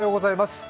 おはようございます。